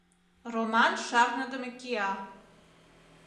Роман шарныдыме кия.